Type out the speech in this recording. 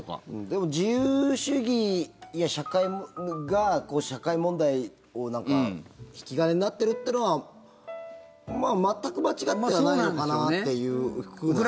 でも、自由主義や社会が社会問題の引き金になってるというのは全く間違ってはないのかなというふうな。